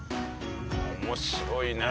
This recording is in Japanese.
面白いね。